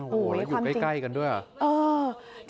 โอ้โหแล้วอยู่ใกล้กันด้วยเหรอ